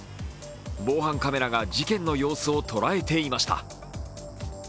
防犯カメラが事件の様子を捉えていました。